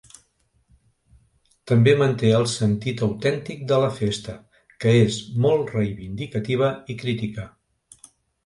També manté el sentit autèntic de la festa, que és molt reivindicativa i crítica.